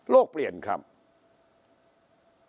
โลกเปลี่ยนครับ